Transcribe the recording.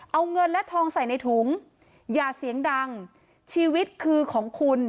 เอาเงินและทองใส่ในถุงอย่าเสียงดังชีวิตคือของคุณ